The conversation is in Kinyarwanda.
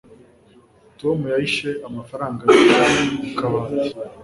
tom yahishe amafaranga ye mu kabati